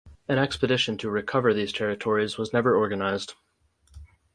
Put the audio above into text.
An expedition to "recover" these territories was never organized.